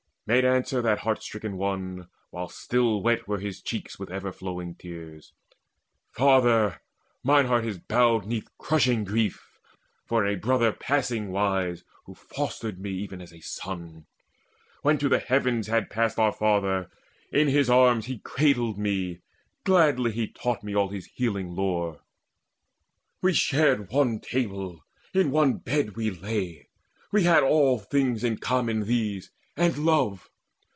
Made answer that heart stricken one, while still Wet were his cheeks with ever flowing tears: "Father, mine heart is bowed 'neath crushing grief For a brother passing wise, who fostered me Even as a son. When to the heavens had passed Our father, in his arms he cradled me: Gladly he taught me all his healing lore; We shared one table; in one bed we lay: We had all things in common these, and love.